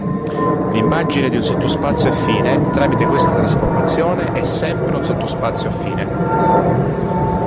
L'immagine di un sottospazio affine tramite questa trasformazione è sempre un sottospazio affine.